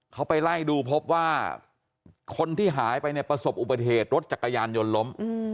เขาไปไล่ดูพบว่าคนที่หายไปเนี่ยประสบอุบัติเหตุรถจักรยานยนต์ล้ม